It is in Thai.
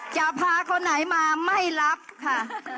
จะพาคนไหนมาไม่รับค่ะ